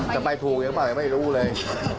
ไปถูกหรือเปล่าไม่รู้เลย